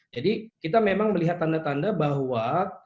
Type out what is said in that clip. jadi kita memang melihat tanda tanda bahwa